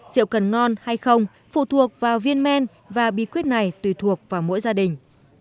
rượu cần ngon hay không phụ thuộc vào viên men và bí quyết này tùy thuộc vào mỗi gia đình